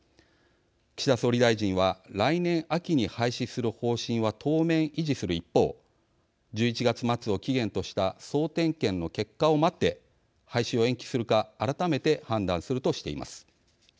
岸田総理大臣は来年秋に廃止する方針は当面、維持する一方１１月末を期限とした総点検の結果を待って廃止を延期するか改めて判断するとしています。